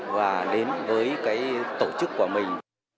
và đến với cái tổ chức của mình